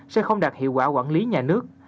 sẽ không đạt hiệu quả quản lý nhà nước